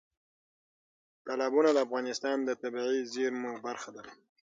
تالابونه د افغانستان د طبیعي زیرمو برخه ده.